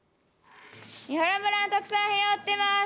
三原村の特産品を売っています。